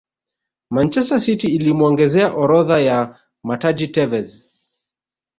manchester city ilimuongezea orodha ya mataji tevez